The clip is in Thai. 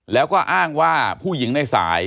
แล้วก็อ้างว่าผู้หญิงในสาย